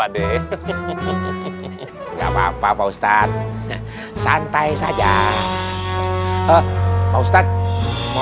hai akal gimana fuerte beneficial ya uh uhlala mah diri stajian rileks any joy hiker udah ketemu dalam